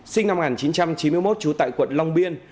sinh năm một nghìn chín trăm chín mươi một trú tại quận long biên